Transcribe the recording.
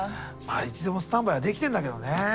まあいつでもスタンバイはできてんだけどね。